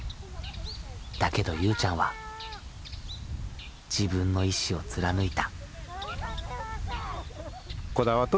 だけどゆうちゃんは自分の意志を貫いた。